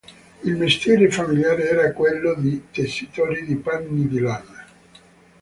Il mestiere familiare era quello di tessitori di panni di lana.